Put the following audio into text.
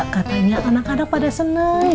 katanya anak anak pada seneng